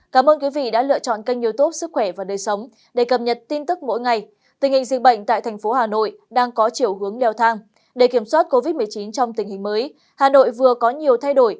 cảm ơn các bạn đã theo dõi